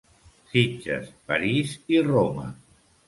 Sitges, París i Roma.